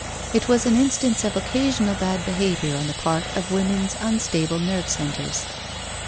It was an instance of occasional bad behaviour on the part of women's unstable nerve centres.